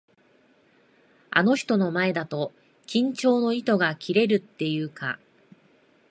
あの人の前だと、緊張の糸が切れるっていうか。